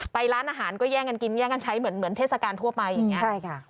ร้านอาหารก็แย่งกันกินแย่งกันใช้เหมือนเทศกาลทั่วไปอย่างนี้ใช่ค่ะ